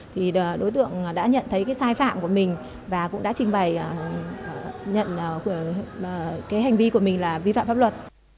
thì đối tượng đã nhận thấy cái sai phạm của mình và cũng đã trình bày nhận cái hành vi của mình là vi phạm pháp luật